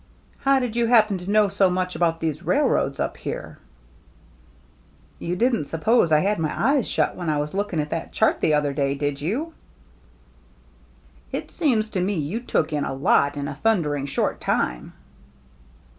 " How did you happen to know so much about these railroads up here ?" "You didn't suppose I had my eyes shut when I was looking at that chart the other day, did you?" THE GINGHAM DRESS 259 " It seems to me you took in a lot in a thundering short time."